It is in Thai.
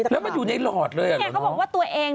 แล้วมันอยู่ในหลอดเลยหรอเนอะ